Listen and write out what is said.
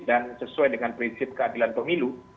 dan sesuai dengan prinsip keadilan pemilu